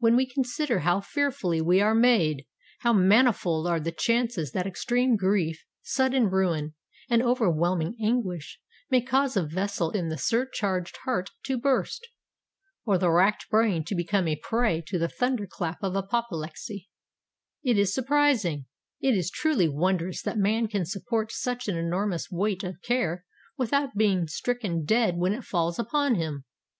When we consider how fearfully we are made,—how manifold are the chances that extreme grief—sudden ruin—and overwhelming anguish may cause a vessel in the surcharged heart to burst, or the racked brain to become a prey to the thunder clap of apoplexy,—it is surprising—it is truly wondrous that man can support such an enormous weight of care without being stricken dead when it falls upon him!